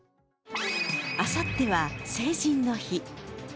あさっては成人の日。